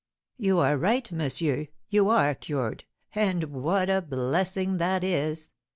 "You are right, monsieur, you are cured, and what a blessing that is!